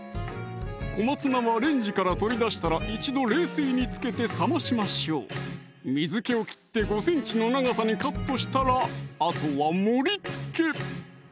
小松菜はレンジから取り出したら一度冷水につけて冷ましましょう水気を切って５ｃｍの長さにカットしたらあとは盛りつけ！